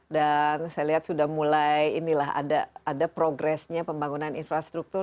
dan saya lihat sudah mulai inilah ada progressnya pembangunan infrastruktur